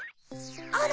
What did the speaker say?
あら！